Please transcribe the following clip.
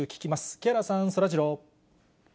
木原さん、そらジロー。